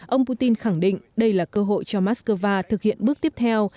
ông putin khẳng định đây là cơ hội cho moscow thực hiện bước tiếp theo